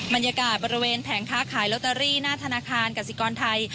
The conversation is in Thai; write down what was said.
บรรยากาศบริเวณแผงค้าขายลอตเตอรี่หน้าธนาคารกสิกรไทย